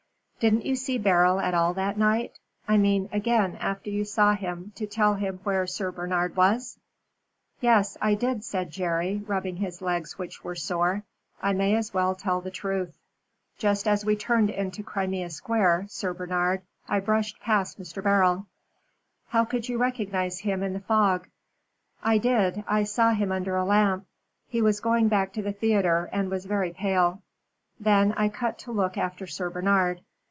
"Didn't you see Beryl at all that night I mean again after you saw him to tell him where Sir Bernard was?" "Yes, I did," said Jerry, rubbing his legs which were sore. "I may as well tell the truth. Just as we turned into Crimea Square, Sir Bernard, I brushed past Mr. Beryl." "How could you recognize him in the fog?" "I did. I saw him under a lamp. He was going back to the theatre and was very pale. Then I cut to look after Sir Bernard.